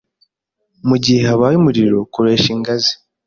Mugihe habaye umuriro, koresha ingazi.